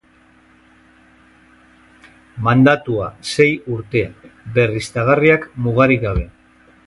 Mandatua: sei urte, berriztagarriak mugarik gabe.